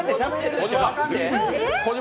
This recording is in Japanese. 小島？